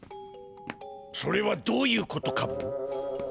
それはどういうことカブ？